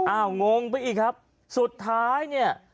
งงไปอีกครับสุดท้ายเนี่ย